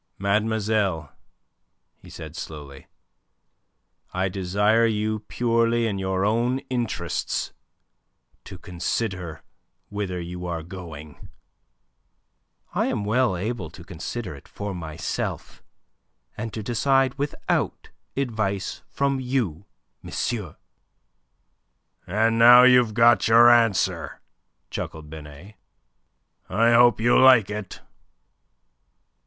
"Mademoiselle," he said, slowly, "I desire you purely in your own interests to consider whither you are going." "I am well able to consider it for myself, and to decide without advice from you, monsieur." "And now you've got your answer," chuckled Binet. "I hope you like it."